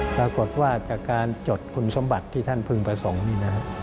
ปรากฏว่าจากการจดคุณสมบัติที่ท่านพึงประสงค์นี่นะครับ